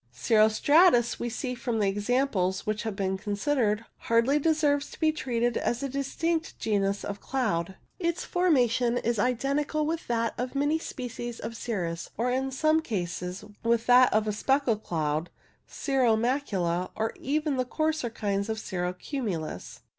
Cirro stratus, we see from the examples which have been considered, hardly deserves to be treated as a distinct genus of cloud. Its formation is iden tical with that of many species of cirrus, or in some cases with that of the speckle cloud, cirro macula, or even the coarser kinds of cirro cumulus.